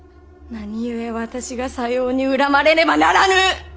何故私がさように恨まれねばならぬ！